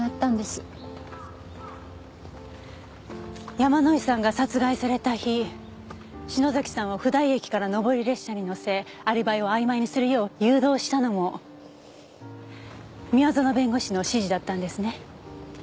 山井さんが殺害された日篠崎さんを普代駅から上り列車に乗せアリバイをあいまいにするよう誘導したのも宮園弁護士の指示だったんですね。